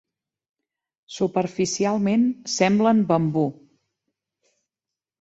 Superficialment semblen bambú.